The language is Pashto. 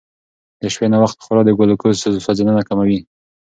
د شپې ناوخته خورا د ګلوکوز سوځېدنه کموي.